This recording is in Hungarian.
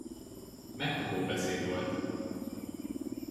Megkapó beszéd volt!